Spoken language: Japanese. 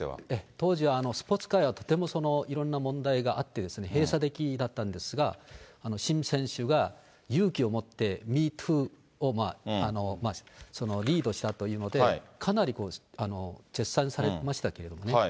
当時、スポーツ界はとてもいろんな問題があって、閉鎖的だったんですが、シム選手が勇気を持って、＃ＭｅＴｏｏをリードしたというので、かなり絶賛されてましたけれどもね。